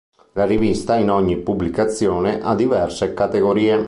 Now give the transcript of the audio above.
La rivista in ogni pubblicazione ha diverse categorie.